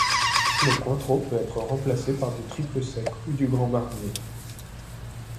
Le Cointreau peut être remplacé par du triple sec ou du Grand Marnier.